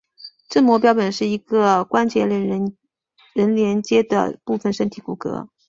正模标本是一个关节仍连阶的部分身体骨骼。